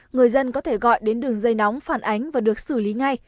người dân có thể gọi đến đường dây nóng phản ánh và được xử lý ngay